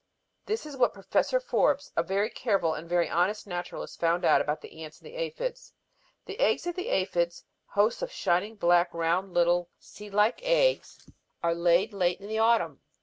"This is what Professor Forbes, a very careful and a very honest naturalist, found out about the ants and the aphids. The eggs of the aphids, hosts of shining black, round, little seed like eggs, are laid late in the autumn.